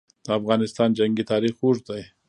د افغانستان جنګي تاریخ اوږد دی.